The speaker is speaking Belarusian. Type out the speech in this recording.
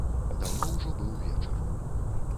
Даўно ўжо быў вечар.